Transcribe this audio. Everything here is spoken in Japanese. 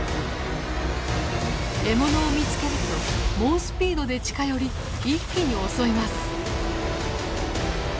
獲物を見つけると猛スピードで近寄り一気に襲います。